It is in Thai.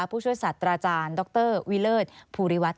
ผู้ช่วยสัตว์อาจารย์ดรวิเลิศภูริวัฒน